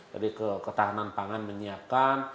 jadi ketahanan pangan menyiapkan